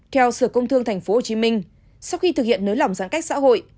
theo sở công thương tp hcm sau khi thực hiện nới lỏng giãn cách xã hội